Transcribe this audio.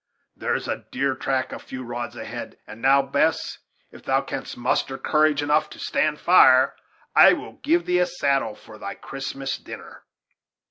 There is a deer track a few rods ahead; and now, Bess, if thou canst muster courage enough to stand fire, I will give thee a saddle for thy Christmas dinner."